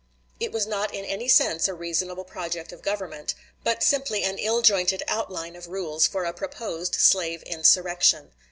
It was not in any sense a reasonable project of government, but simply an ill jointed outline of rules for a proposed slave insurrection.